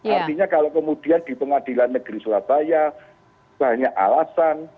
artinya kalau kemudian di pengadilan negeri surabaya banyak alasan